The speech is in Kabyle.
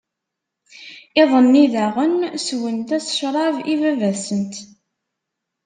Iḍ-nni daɣen, sswent-as ccṛab i Baba-tsent.